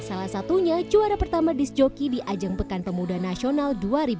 salah satunya juara pertama disc joki di ajang pekan pemuda nasional dua ribu dua puluh